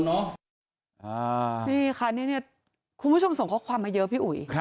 นี่ค่ะนี่คุณผู้ชมส่งข้อความมาเยอะพี่อุ๋ย